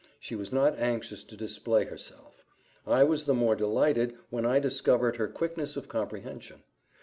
She was not anxious to display herself: I was the more delighted when I discovered her quickness of comprehension.